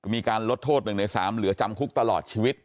มีการลดโทษ๑ใน๓เหลือจำคุกตลอดชีวิต